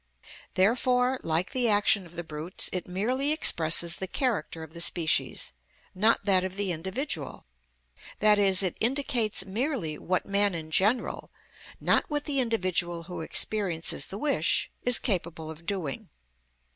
Therefore, like the action of the brutes, it merely expresses the character of the species, not that of the individual, i.e., it indicates merely what man in general, not what the individual who experiences the wish, is capable of doing.